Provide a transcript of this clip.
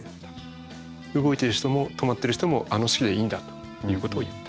動いてる人も止まってる人もあの式でいいんだということを言った。